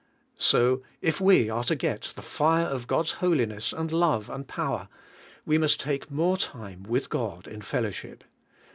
So if we are to get the fire of God's holiness and love and power we must take more time with God in fellowship.